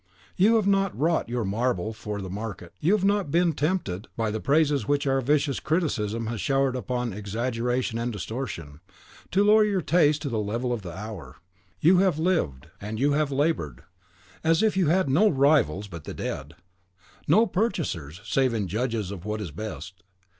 You have not wrought your marble for the market, you have not been tempted, by the praises which our vicious criticism has showered upon exaggeration and distortion, to lower your taste to the level of the hour; you have lived, and you have laboured, as if you had no rivals but in the dead, no purchasers, save in judges of what is best.